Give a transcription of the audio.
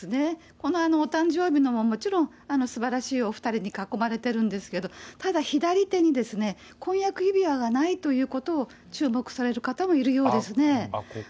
このお誕生日ももちろん、すばらしいお２人に囲まれてるんですけど、ただ左手に婚約指輪がないということを注目される方もいるようでここ？